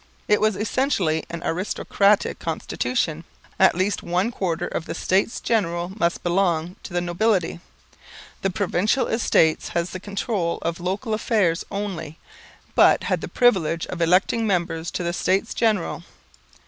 It was essentially an aristocratic constitution. At least one quarter of the States General must belong to the nobility. The Provincial Estates had the control of local affairs only, but had the privilege of electing the members of the States General.